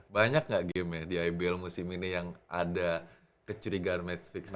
banyak gak game ya di ibl musim ini yang ada kecurigaan match fix